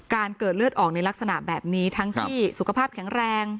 เกิดเลือดออกในลักษณะแบบนี้ทั้งที่สุขภาพแข็งแรง